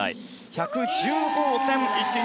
１１５．１２。